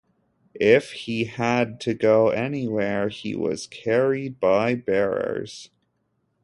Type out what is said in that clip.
If he had to go anywhere, he was carried by bearers.